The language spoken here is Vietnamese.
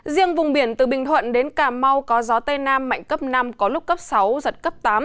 riêng vùng biển từ bình thuận đến cà mau có gió tây nam mạnh cấp năm có lúc cấp sáu giật cấp tám